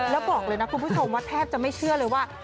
แล้วบอกเลยนะคุณผู้ชมว่าแทบจะไม่เชื่อเลยว่า